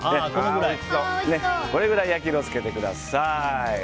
これぐらい焼き色を付けてください。